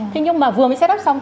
thế nhưng mà vừa mới set up xong